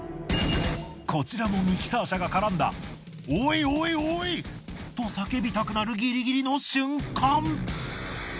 こちらもミキサー車が絡んだおいおいおい！と叫びたくなるギリギリの瞬間。